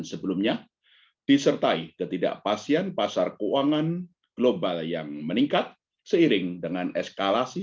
sebelumnya disertai ketidakpastian pasar keuangan global yang meningkat seiring dengan eskalasi